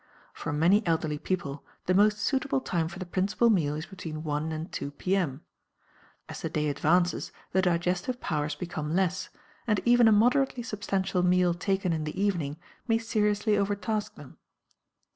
For many elderly people the most suitable time for the principal meal is between 1 and 2 P. M. As the day advances the digestive powers become less, and even a moderately substantial meal taken in the evening may seriously overtask them.